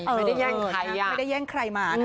ไม่ได้แย่งใคร